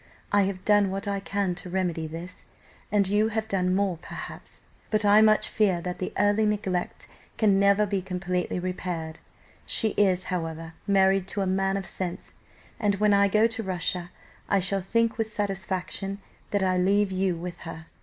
I have done what I can to remedy this, and you have done more perhaps; but I much fear that the early neglect can never be completely repaired; she is, however, married to a man of sense, and when I go to Russia I shall think with satisfaction that I leave you with her."